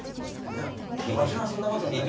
わしはそんなことない。